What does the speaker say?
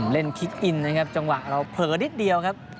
คิกอินนะครับจังหวะเราเผลอนิดเดียวครับ